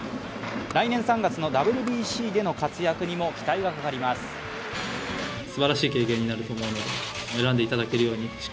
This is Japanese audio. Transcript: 来年３月のＷＢＣでの活躍にも期待がかかります。